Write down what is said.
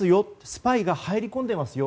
スパイが入り込んでますよ